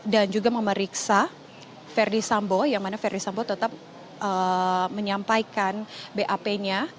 dan juga memeriksa ferdi sambo yang mana ferdi sambo tetap menyampaikan bap nya